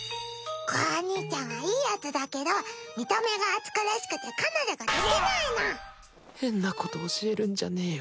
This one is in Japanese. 光お兄ちゃんはいいヤツだけど見た目が暑苦しくて彼女ができないの変なこと教えるんじゃねえよ